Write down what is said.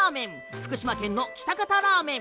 福島県の喜多方ラーメン